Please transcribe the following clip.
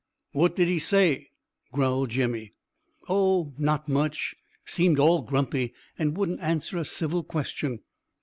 "What did he say?" growled Jemmy. "Oh, not much. Seemed all grumpy, and wouldn't answer a civil question."